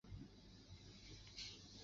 否则曲面是不可定向的。